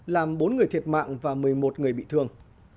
làm bốn người thiệt mạng và một mươi một người bị thương